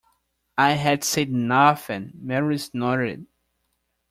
I had said nothing — merely snorted.